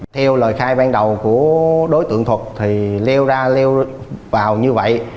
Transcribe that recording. theo lời khai ban đầu của đối tượng thuật thì leo ra leo vào như vậy